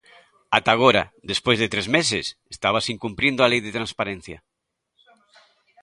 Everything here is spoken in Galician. Ata agora, despois de tres meses, estábase incumprindo a Lei de transparencia.